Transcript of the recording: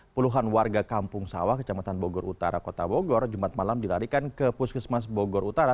puluhan warga kampung sawah kecamatan bogor utara kota bogor jumat malam dilarikan ke puskesmas bogor utara